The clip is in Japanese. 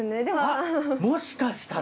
あっもしかしたら！？